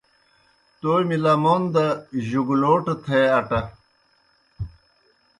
تومیْ لمون دہ جُگلوٹہ تھے اٹہ۔